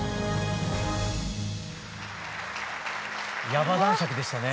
ヤバ男爵でしたね。